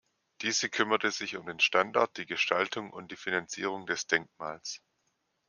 Diese kümmerte sich um den Standort, die Gestaltung und die Finanzierung des Denkmals.